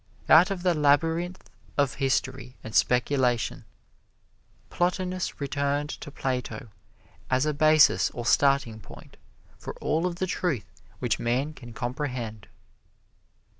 Out of the labyrinth of history and speculation Plotinus returned to Plato as a basis or starting point for all of the truth which man can comprehend.